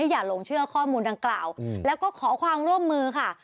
อย่าหลงเชื่อข้อมูลดังกล่าวแล้วก็ขอความร่วมมือค่ะ